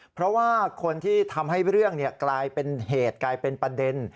เพราะว่าคนที่ทำให้เรื่องกลายเป็นเหตุกลายเป็นประเด็น